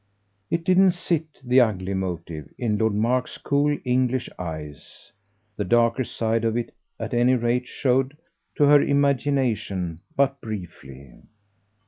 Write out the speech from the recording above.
It didn't sit, the ugly motive, in Lord Mark's cool English eyes; the darker side of it at any rate showed, to her imagination, but briefly.